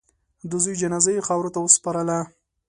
د زوی جنازه یې خاورو ته وسپارله.